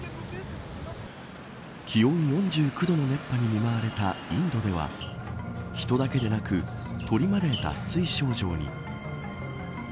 気温４９度の熱波に見舞われたインドでは人だけでなく鳥まで脱水症状に。